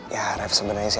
ya ref sebenarnya sih